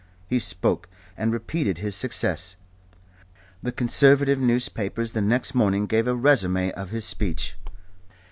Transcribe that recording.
He spoke, and repeated his success. The Conservative newspapers the next morning gave a resume of his speech.